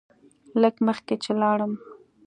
لږ مخکې چې لاړم.